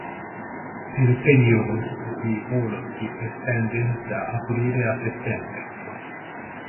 Il periodo di volo si estende da aprile a settembre.